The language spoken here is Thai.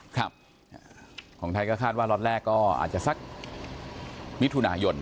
ครับของไทยก็คาดว่าล็อตแรกก็อาจจะสักมิถุนายน